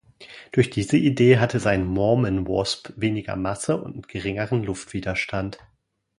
Durch diese Idee hatte sein Marmon Wasp weniger Masse und geringeren Luftwiderstand.